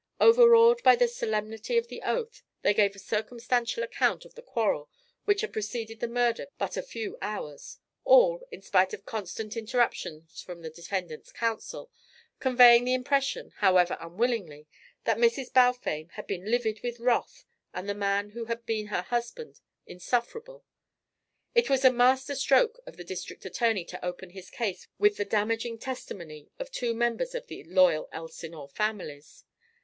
Overawed by the solemnity of the oath, they gave a circumstantial account of the quarrel which had preceded the murder but a few hours all, in spite of constant interruptions from the defendant's counsel, conveying the impression, however unwillingly, that Mrs. Balfame had been livid with wrath and the man who had been her husband insufferable. It was a master stroke of the district attorney to open his case with the damaging testimony of two members of the loyal Elsinore families.